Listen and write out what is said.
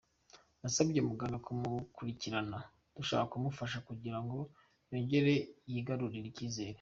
Nasabye muganga kumukurikirana, dushaka kumufasha kugira ngo yongere yigarurire icyizere.